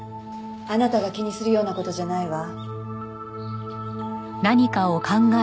あなたが気にするような事じゃないわ。